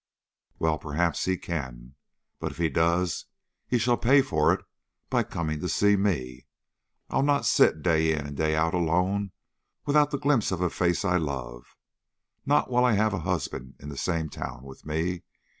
Well, perhaps he can; but if he does, he shall pay for it by coming to see me. I'll not sit day in and day out alone without the glimpse of a face I love, not while I have a husband in the same town with me.